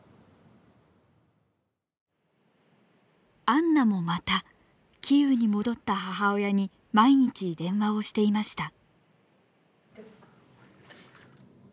アンナもまたキーウに戻った母親に毎日電話をしていました。